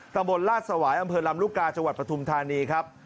ตำบลลาดสวายอำเภอลำลูกกาจังหวัดปฐุมธานีครับ